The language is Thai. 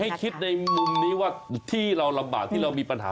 คิดในมุมนี้ว่าที่เราลำบากที่เรามีปัญหา